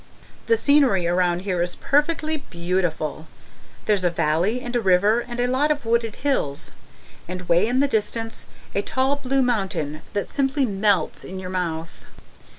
The scenery around here is perfectly beautiful. There's a valley and a river and a lot of wooded hills, and way in the distance a tall blue mountain that simply melts in your mouth.